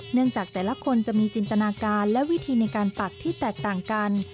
จากแต่ละคนจะมีจินตนาการและวิธีในการปักที่แตกต่างกัน